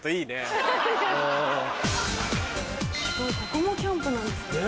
ここもキャンプなんですね。